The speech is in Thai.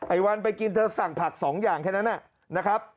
วันไปกินเธอสั่งผัก๒อย่างแค่นั้นนะครับ